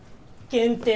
限定